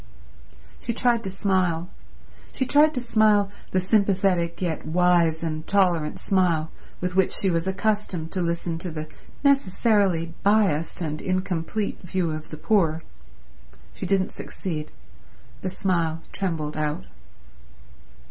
She tried to smile; she tried to smile the sympathetic yet wise and tolerant smile with which she was accustomed to listen to the necessarily biased and incomplete view of the poor. She didn't succeed. The smile trembled out.